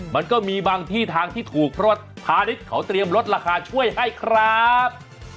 มันก็มีทางที่ถูกเพราะว่าทานิดเขาเตรียมรถละคาช่วยให้ครับ